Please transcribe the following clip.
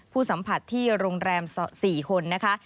สัมผัสที่โรงแรม๔คนนะคะ